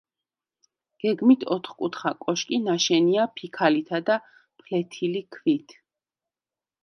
გეგმით ოთხკუთხა კოშკი ნაშენია ფიქალითა და ფლეთილი ქვით.